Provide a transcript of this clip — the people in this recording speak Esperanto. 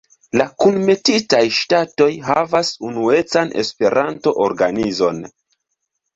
La kunmetitaj ŝtatoj havas unuecan Esperanto-organizon.